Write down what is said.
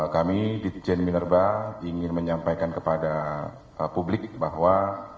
kami ditjen minerba ingin menyampaikan kepada publik bahwa